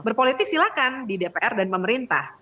berpolitik silakan di dpr dan pemerintah